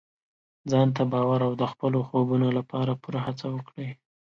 ځان ته باور او د خپلو خوبونو لپاره پوره هڅه وکړئ.